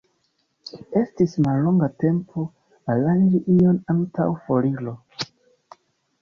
Estis mallonga tempo aranĝi ion antaŭ foriro.